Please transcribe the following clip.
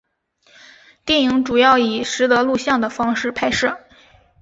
电影主要以拾得录像的方式拍摄。